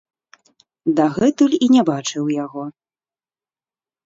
Дагэтуль і не бачыў яго.